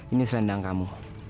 ini selendang kamu